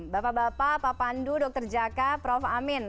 bapak bapak pak pandu dr jaka prof amin